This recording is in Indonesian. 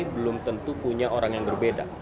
belum tentu punya orang yang berbeda